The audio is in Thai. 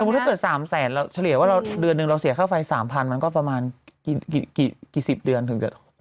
ถ้าเกิด๓แสนเราเฉลี่ยว่าเดือนหนึ่งเราเสียค่าไฟ๓๐๐มันก็ประมาณกี่สิบเดือนถึงจะ